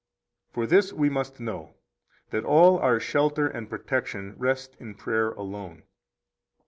30 For this we must know, that all our shelter and protection rest in prayer alone.